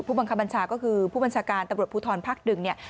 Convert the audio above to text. บังคับบัญชาก็คือผู้บัญชาการตำรวจภูทรภักดิ์๑เนี่ย